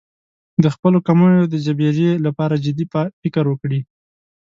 د خپلو کمیو د جبېرې لپاره جدي فکر وکړي.